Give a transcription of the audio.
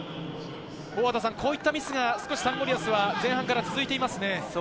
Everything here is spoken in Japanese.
そういったミスがサンゴリアスは前半から続いていますね。